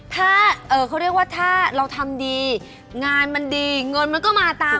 ถ้าเขาเรียกว่าถ้าเราทำดีงานมันดีเงินมันก็มาตาม